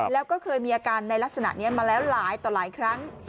แล้วก็เคยมีอาการในลักษณะนี้มาแล้วหลายต่อหลายครั้ง